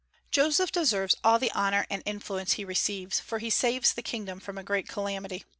Joseph deserves all the honor and influence he receives, for he saves the kingdom from a great calamity.